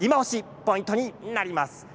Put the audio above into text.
ポイントになります。